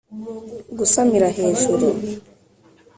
gusamira hejuru